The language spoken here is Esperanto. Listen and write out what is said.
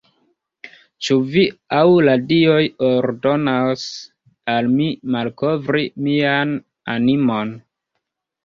Ĉu vi aŭ la dioj ordonas al mi malkovri mian animon?